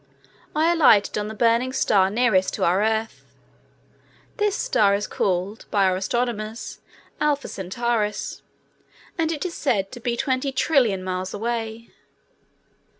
I alighted on the burning star nearest to our Earth. This star is called, by our astronomers, Alpha Centaurus, and it is said to be 20,000,000,000,000 miles away.